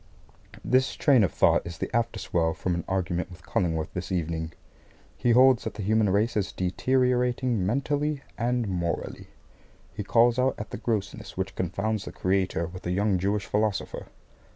This train of thought is the after swell from an argument with Cullingworth this evening. He holds that the human race is deteriorating mentally and morally. He calls out at the grossness which confounds the Creator with a young Jewish Philosopher.